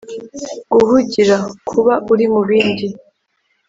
guhugira: kuba uri mu bindi